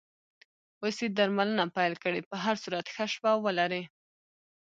اوس یې درملنه پیل کړې، په هر صورت ښه شپه ولرې.